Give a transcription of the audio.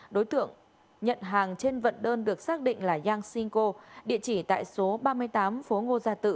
đối tượng nhận hàng trên vận đơn được xác định là yang sinh cô địa chỉ tại số ba mươi tám phố ngô gia tự